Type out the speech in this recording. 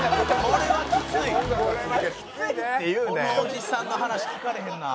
このおじさんの話聞かれへんな。